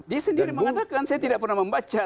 dia sendiri mengatakan saya tidak pernah membaca